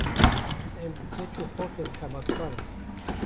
Em keç û xortên xebatkar in.